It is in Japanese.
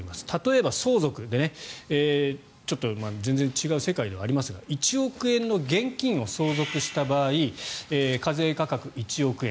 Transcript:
例えば相続で全然違う世界ではありますが１億円の現金を相続した場合課税価格、１億円。